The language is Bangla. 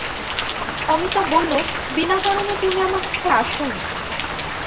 অমিতা বলল, বিনা কারণে তুমি আমার কাছে আস নি।